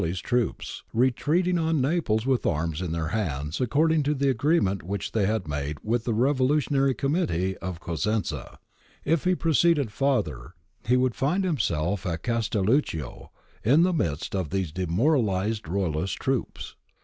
156 GARIBALDI AND THE MAKING OF ITALY Caldarelli's troops, retreating on Naples with arms in their hands according to the agreement which they had made with the revolutionary committee of Cosenza. If he proceeded farther, he would find himself at Castel luccio in the midst of these demoralised Royalist troops.